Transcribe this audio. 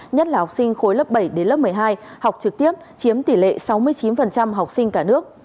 nhất là học sinh khối lớp bảy đến lớp một mươi hai học trực tiếp chiếm tỷ lệ sáu mươi chín học sinh cả nước